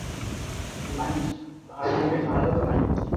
আমরা জানি ওর জন্য কি ভালো হবে।